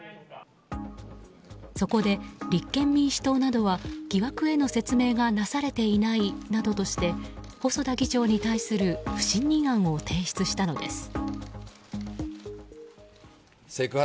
そこで、立憲民主党などは疑惑への説明がなされていないなどとして細田議長に対する不信任案を提出したのです。